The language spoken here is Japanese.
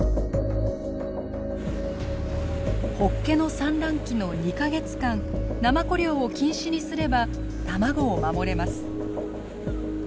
ホッケの産卵期の２か月間ナマコ漁を禁止にすれば卵を守れます。